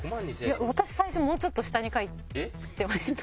私最初もうちょっと下に書いてました。